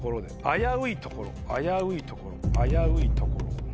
あやういところあやういところあやういところ。